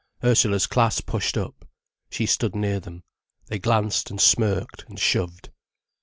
Ursula's class pushed up. She stood near them. They glanced and smirked and shoved.